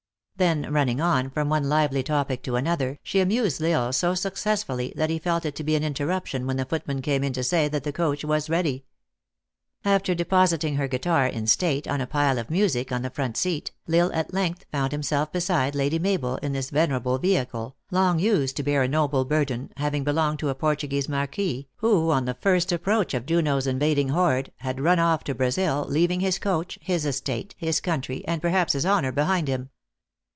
Then running on, from one lively topic to another, she amused L Isle so successfully that he felt it to be an interruption when the footman 856 THE ACTRESS IN HIGH LIFE. came in to say that the coach was ready. After de positing her guitar in state, on a pile of music, on the front seat, L Isle at length found himself beside Lady Mabel in this venerable vehicle, long used to bear a noble burden, having belonged to a Portuguese Marquis, who on the first approach of Junot s invad ing horde, had run oif to Brazil, leaving his coach, his estate, his country, and perhaps his honor behind him.